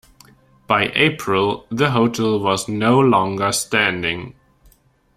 By April, the hotel was no longer standing.